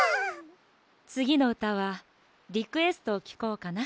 つぎのうたはリクエストをきこうかな。